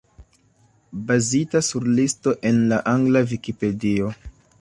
Bazita sur listo en la angla Vikipedio.